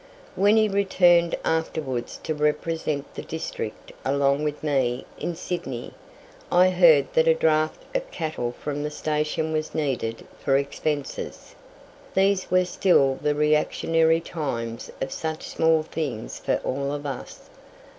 When returned afterwards to represent the district along with me in Sydney, I heard that a draft of cattle from the station was needed for expenses. These were still the reactionary times of such small things for all of us.